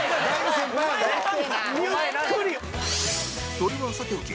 それはさておき